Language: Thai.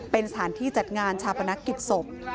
เป็นสถานที่จัดงานชาปนกิจศพ